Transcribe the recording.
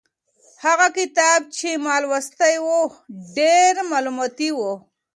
هغه کتاب چې ما لوستلی و ډېر مالوماتي و.